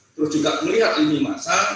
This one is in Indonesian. terus juga melihat ini masang